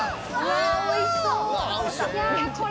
おいしそう。